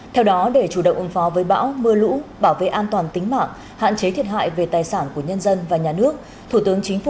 theo đó để chủ động ứng phó với bão mưa lũ bảo vệ an toàn tính mạng hạn chế thiệt hại về tài sản của nhân dân và nhà nước